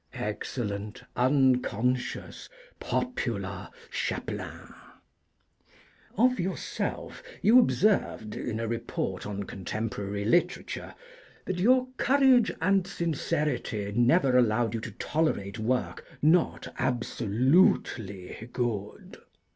Excellent, unconscious, popular Chapelain! Of yourself you observed, in a Report on contemporary literature, that your 'courage and sincerity never allowed you to tolerate work not absolutely good.'